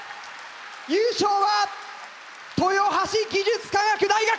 優勝は豊橋技術科学大学！